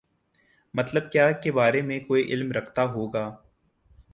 مطلب کیا کے بارے میں کوئی علم رکھتا ہو گا